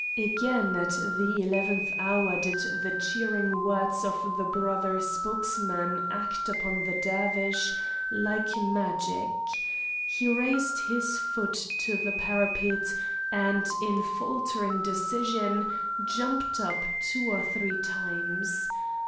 Again at the eleventh hour did the cheering words of the brother spokesman act upon the Dervish like magic, he raised his foot to the parapet, and, in faltering decision, jumped up two or three times.